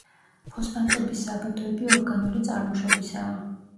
ფოსფატების საბადოები ორგანული წარმოშობისაა.